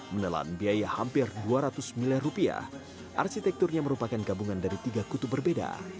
menelan biaya hampir dua ratus miliar rupiah arsitekturnya merupakan gabungan dari tiga kutub berbeda